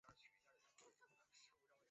只记载首次收录的单曲和专辑。